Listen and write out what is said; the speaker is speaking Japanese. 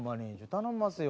頼んますよ